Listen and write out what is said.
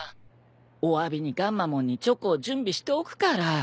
おわびにガンマモンにチョコを準備しておくから。